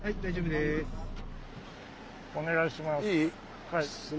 お願いします。